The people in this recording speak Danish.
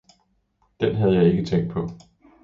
Den havde jeg ikke tænkt på.